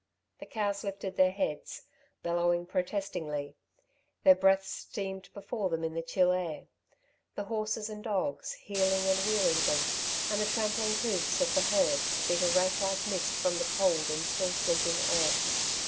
The cows lifted their heads, bellowing protestingly; their breath steamed before them in the chill air. The horses and dogs, heeling and wheeling them, and the trampling hoofs of the herd, beat a wraith like mist from the cold, and still sleeping earth.